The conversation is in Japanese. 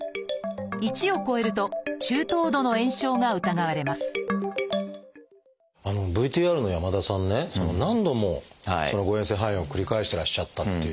１を超えると中等度の炎症が疑われますＶＴＲの山田さんね何度も誤えん性肺炎を繰り返してらっしゃったっていう。